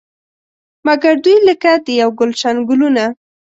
مګر دوی لکه د یو ګلش ګلونه.